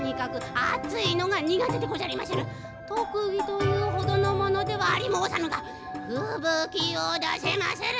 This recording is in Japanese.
とくぎというほどのものではありもうさぬがふぶきをだせまする。